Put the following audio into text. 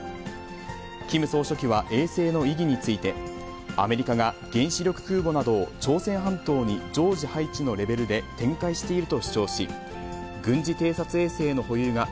キム総書記は衛星の意義について、アメリカが原子力空母などを朝鮮半島に常時配置のレベルで展開していると主張し、国家の安全と領土を守ると強調しました。